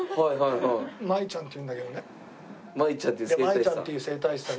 マイちゃんっていう整体師さん。